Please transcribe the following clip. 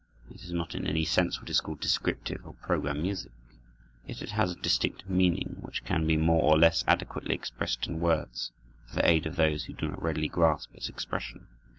It is not in any sense what is called descriptive or program music; yet it has a distinct meaning which can be more or less adequately expressed in words, for the aid of those who do not readily grasp its expression.